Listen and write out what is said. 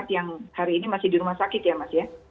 yang hari ini masih di rumah sakit ya mas ya